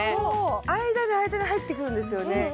間で間で入ってくるんですよね